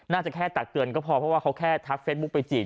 น่าจะแค่ตักเตือนก็พอเพราะว่าเขาแค่ทักเฟซบุ๊คไปจีบ